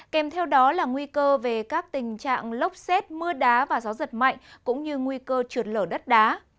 kèm theo đó là nguy cơ về các tình trạng lốc xét mưa đá và gió giật mạnh cũng như nguy cơ trượt lở đất đá